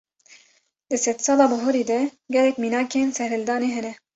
Di sedsala bihurî de, gelek mînakên serîhildanê hene